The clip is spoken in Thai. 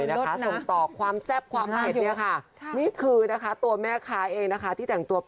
ส่งต่อความแซ่บขออนุญาต